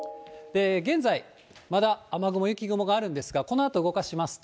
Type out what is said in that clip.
現在、まだ雨雲、雪雲があるんですが、このあと動かしますと。